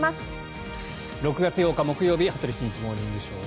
６月８日、木曜日「羽鳥慎一モーニングショー」。